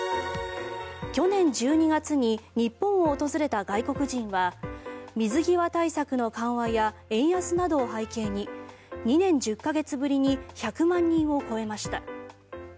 去年１２月に日本を訪れた外国人は水際対策の緩和や円安などを背景に２年１０か月ぶりに１００万人を超えました。